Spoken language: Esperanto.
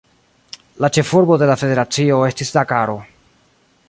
La ĉefurbo de la federacio estis Dakaro.